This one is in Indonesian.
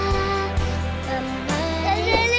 masalah apa ini